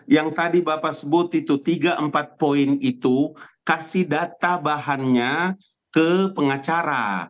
yang tadi bapak sebut itu tiga empat poin itu kasih data bahannya ke pengacara